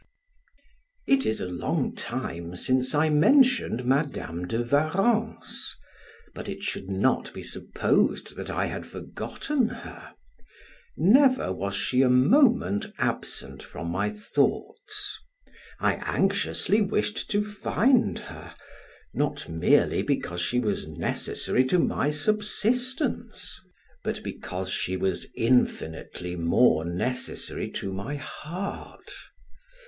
It is a long time since I mentioned Madam de Warrens, but it should not be supposed I had forgotten her; never was she a moment absent from my thoughts. I anxiously wished to find her, not merely because she was necessary to my subsistence, but because she was infinitely more necessary to my heart.